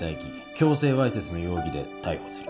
強制わいせつの容疑で逮捕する